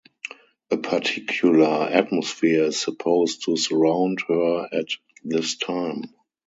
A particular atmosphere is supposed to surround her at this time.